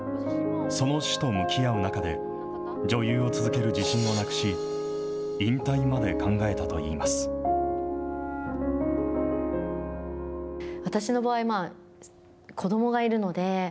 その死と向き合う中で、女優を続ける自信をなくし、引退まで考えたといいます。